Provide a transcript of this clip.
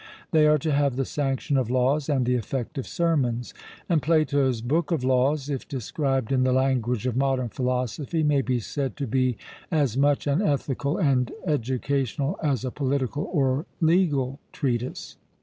They are to have the sanction of laws and the effect of sermons. And Plato's 'Book of Laws,' if described in the language of modern philosophy, may be said to be as much an ethical and educational, as a political or legal treatise.